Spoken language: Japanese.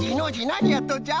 なにやっとんじゃ？